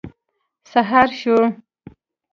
سهار شو.